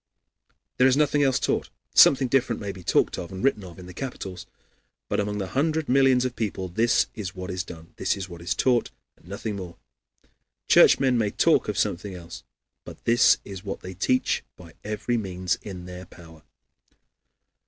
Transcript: There is nothing else taught. Something different may be talked of and written of in the capitals; but among the hundred millions of the people this is what is done, this is what is taught, and nothing more. Churchmen may talk of something else, but this is what they teach by every means in their power.